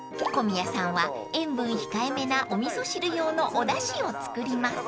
［小宮さんは塩分控えめなお味噌汁用のおだしを作ります］